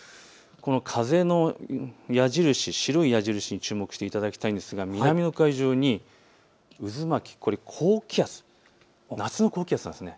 風の矢印、白い矢印に注目していただきたいんですが南の海上に渦巻き、夏の高気圧なんです。